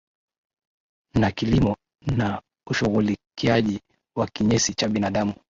na kilimo na ushughulikiaji wa kinyesi cha binadamu